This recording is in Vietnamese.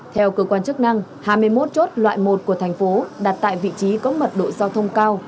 theo cơ quan chức năng hai mươi một chốt loại một của thành phố đặt tại vị trí có mật độ giao thông cao